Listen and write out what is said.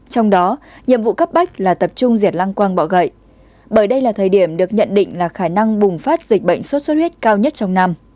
trong đó nhiệm vụ cấp bách là tập trung diệt lăng quang bỏ gậy bởi đây là thời điểm được nhận định là khả năng bùng phát dịch bệnh sốt xuất huyết cao nhất trong năm